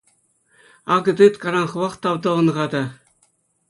Акӑ, тыт, кайран хӑвах тав тӑвӑн-ха та.